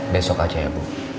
besok aja ya bu